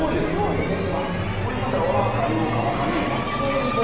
これまた和か洋か分かれへんわ。